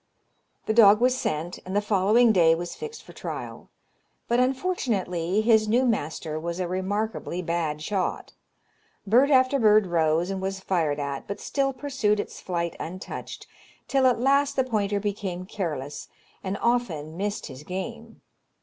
The dog was sent, and the following day was fixed for trial; but, unfortunately, his new master was a remarkably bad shot. Bird after bird rose and was fired at, but still pursued its flight untouched, till, at last, the pointer became careless, and often missed his game.